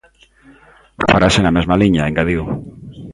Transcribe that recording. Farase na mesma liña, engadiu.